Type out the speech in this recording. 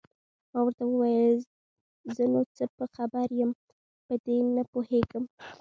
ما ورته وویل: زه نو څه په خبر یم، په دې نه پوهېږم.